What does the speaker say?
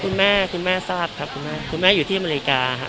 คุณแม่คุณแม่ทราบครับคุณแม่คุณแม่อยู่ที่อเมริกาครับ